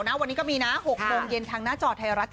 แต่แวนดี้ค่ะสู้นะค่ะจับละ